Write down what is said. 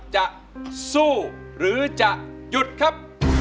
จะสู้หรือจะหยุดครับ